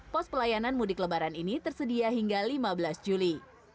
pos pelayanan mudik lebaran ini tersedia hingga lima belas juli